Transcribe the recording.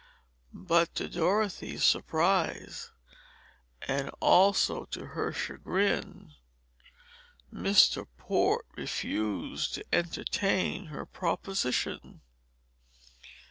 But to Dorothy's surprise, and also to her chagrin, Mr. Port refused to entertain her proposition.